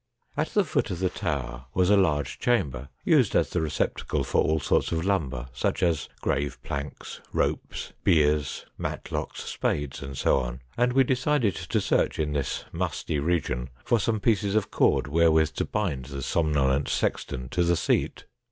At the foot of the tower was a large chamber, used as the receptacle for all sorts of lumber, such as grave planks, ropes, biers, matlocks, spades, &c, and we decided to search in this musty region for some pieces of cord wherewith to bind the som nolent sexton to the seat.